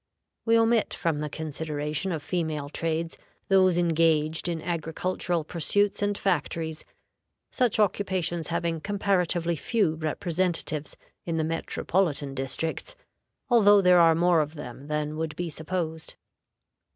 We omit from the consideration of female trades those engaged in agricultural pursuits and factories, such occupations having comparatively few representatives in the metropolitan districts, although there are more of them than would be supposed.